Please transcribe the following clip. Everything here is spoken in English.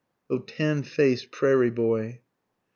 O TAN FACED PRAIRIE BOY.